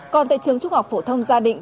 còn tại trường trung học phổ thông gia đình